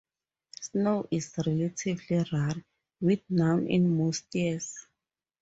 Snow is relatively rare, with none in most years.